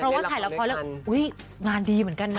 พอถ่ายละครแล้วอุ้ยงานดีเหมือนกันนะ